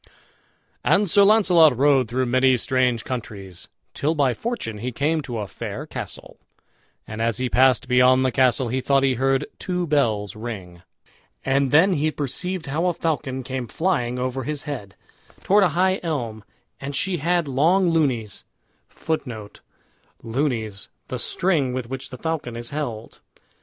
And Sir Launcelot rode through many strange countries, till by fortune he came to a fair castle; and as he passed beyond the castle he thought he heard two bells ring. And then he perceived how a falcon came flying over his head, toward a high elm; and she had long lunys [Footnote: LUNYS, the string with which the falcon is held.